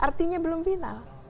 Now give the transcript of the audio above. artinya belum final